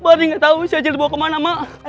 baru gak tau si acil dibawa kemana mak